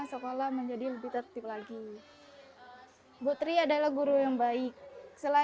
selamat pagi atta